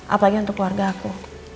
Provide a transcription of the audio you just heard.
apalagi untuk keluarga aku